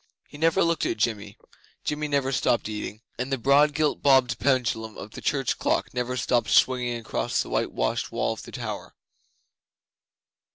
He never looked at Jimmy; Jimmy never stopped eating; and the broad gilt bobbed pendulum of the church clock never stopped swinging across the white washed wall of the tower.